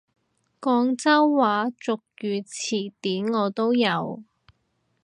廣州話俗語詞典我都有！